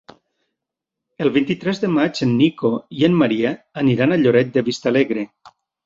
El vint-i-tres de maig en Nico i en Maria aniran a Lloret de Vistalegre.